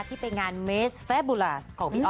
ที่ไปงานเมสแฟบูลาสของพี่ออ